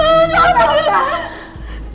elsa udah bukain